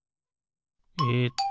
えっと